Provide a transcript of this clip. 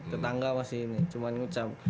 tetangga masih ini cuma ngucam